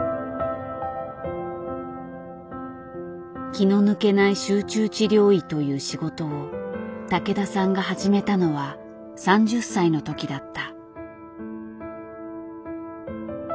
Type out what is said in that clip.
気の抜けない集中治療医という仕事を竹田さんが始めたのは３０歳の時だった。